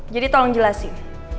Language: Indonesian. jadi tolong jelasin